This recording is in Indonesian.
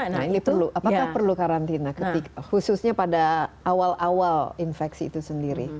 nah ini perlu apakah perlu karantina khususnya pada awal awal infeksi itu sendiri